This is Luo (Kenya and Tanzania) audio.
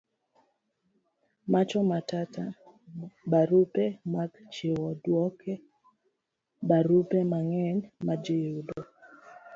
Macho Matata. barupe mag chiwo duoko. barupe mang'eny majiyudo